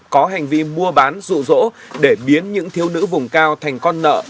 có hành vi mua bán rụ rỗ để biến những thiếu nữ vùng cao thành con nợ